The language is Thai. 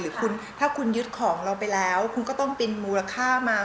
ถ้าคุณยึดของเราไปแล้วคุณก็ต้องบินมูลค่ามา